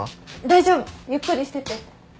大丈夫ゆっくりしてて。